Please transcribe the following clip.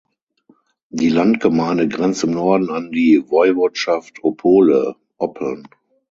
Die Landgemeinde grenzt im Norden an die Woiwodschaft Opole "(Oppeln)".